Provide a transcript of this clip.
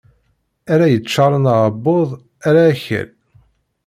Ara yeččaṛen aɛebbuḍ, ala akal.